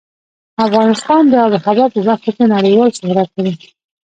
افغانستان د آب وهوا په برخه کې نړیوال شهرت لري.